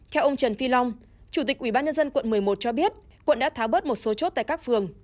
theo ông trần phi long chủ tịch ubnd quận một mươi một cho biết quận đã tháo bớt một số chốt tại các phường